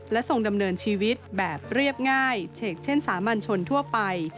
ทรงดำเนินชีวิตแบบเรียบง่ายเฉกเช่นสามัญชนทั่วไป